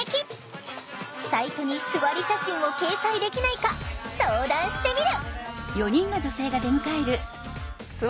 サイトに「すわり写真」を掲載できないか相談してみる。